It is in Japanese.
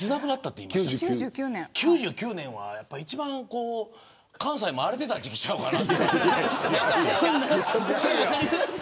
９９年は一番関西も荒れてた時期ちゃうかな。